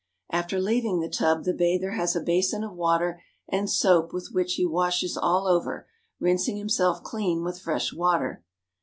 After leaving the tub, the bather has a basin of water and soap with which he washes all over, rinsing himself clean with fresh water.